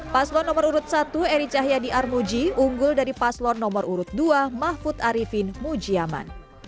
paslon nomor urut satu eri cahyadi armuji unggul dari paslon nomor urut dua mahfud arifin mujiaman